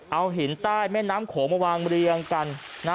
เอาหินใต้แม่น้ำโขงมาวางเรียงกัน